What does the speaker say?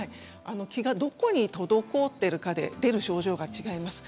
気がどこに滞っているかということで症状が違います。